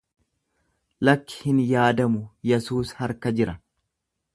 Lakki hin yaadamu Yesuus harka jira.